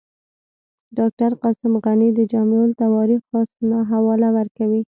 ډاکټر قاسم غني د جامع التواریخ حسني حواله ورکوي.